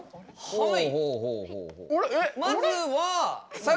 はい。